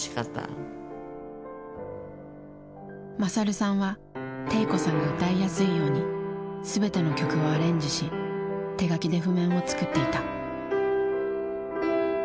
勝さんは悌子さんが歌いやすいように全ての曲をアレンジし手書きで譜面を作っていた。